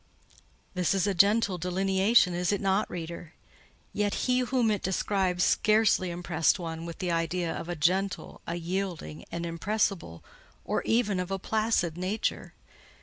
This is a gentle delineation, is it not, reader? Yet he whom it describes scarcely impressed one with the idea of a gentle, a yielding, an impressible, or even of a placid nature.